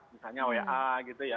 misalnya wa gitu ya